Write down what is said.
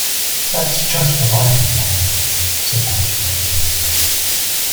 ‘That’s just what I complain of,’ said Humpty Dumpty.